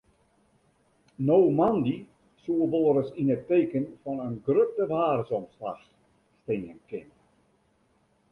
No moandei soe wolris yn it teken fan in grutte waarsomslach stean kinne.